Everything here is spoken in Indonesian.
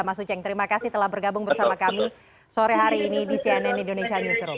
mas uceng terima kasih telah bergabung bersama kami sore hari ini di cnn indonesia newsroom